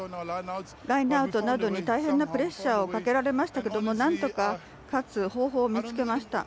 ラインアウトなどに大変なプレッシャーをかけられましたけれどもなんとか勝つ方法を見つけました。